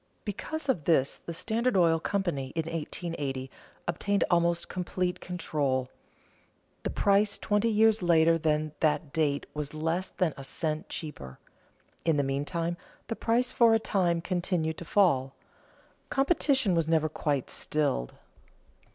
Because of this, the Standard Oil Co., in 1880, obtained almost complete control. The price twenty years later than that date was less than a cent cheaper. In the meantime the price for a time continued to fall. Competition was never quite stilled.